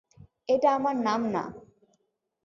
এটা আমার নাম না।